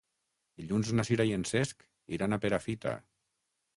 Dilluns na Sira i en Cesc iran a Perafita.